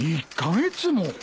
１カ月も！？